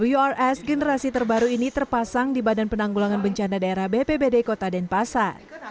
urs generasi terbaru ini terpasang di badan penanggulangan bencana daerah bpbd kota denpasar